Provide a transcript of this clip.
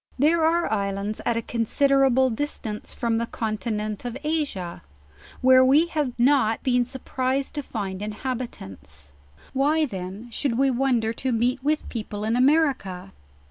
There are islands at a considerable distance from the con tinent of Asia, where we have dot been surprised to find in habitants; why then should we wonder to meet with people in America?